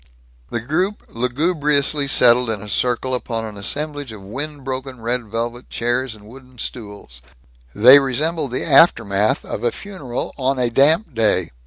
The group lugubriously settled in a circle upon an assemblage of wind broken red velvet chairs and wooden stools. They resembled the aftermath of a funeral on a damp day.